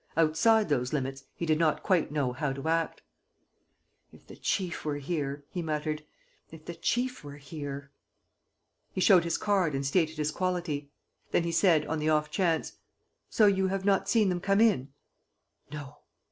Outside those limits he did not quite know how to act: "If the chief were here," he muttered, "if the chief were here. ..." He showed his card and stated his quality. Then he said, on the off chance: "So you have not seen them come in?" "No."